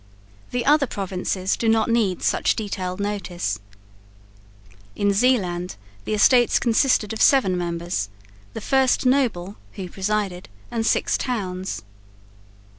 The other provinces do not need such detailed notice. In Zeeland the Estates consisted of seven members, the "first noble" (who presided) and six towns.